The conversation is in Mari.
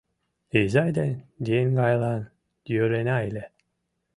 Изай ден еҥгайлан йӧрена ыле;